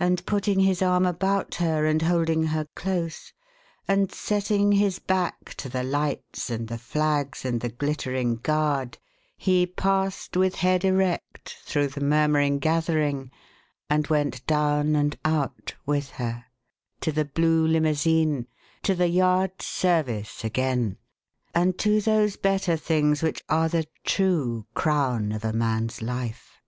And putting his arm about her and holding her close, and setting his back to the lights and the flags and the glittering Guard, he passed, with head erect, through the murmuring gathering and went down and out with her to the blue limousine to the Yard's service again and to those better things which are the true crown of a man's life.